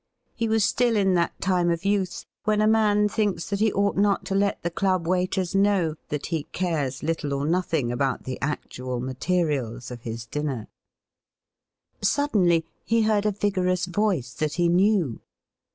He was still in that time of youth when a man thinks that he ought not to let the club waiters know that he cares little or nothing about the actual materials of his dinner. Suddenly he heard a vigorous voice that he knew.